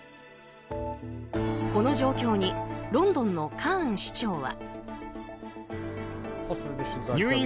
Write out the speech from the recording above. この状況にロンドンのカーン市長は。